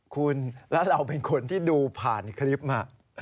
คุณแล้วเราเป็นคนที่ดูผ่านคลิปมา